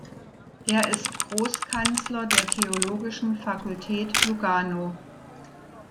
Er ist Großkanzler der Theologischen Fakultät Lugano.